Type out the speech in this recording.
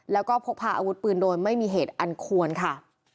แล้วก็พกพาอาวุธปืนโดยไม่มีเหตุอันควรค่ะ